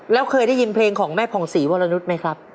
แล้วเคยได้ยินเพลงของแม่ผ่องศรีวรนุษย์ไหมครับ